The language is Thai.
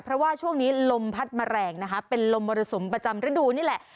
เพราะว่าช่วงนี้ลมพัดแมลงนะคะเป็นลมมรสุมประจำฤดูนี่แหละ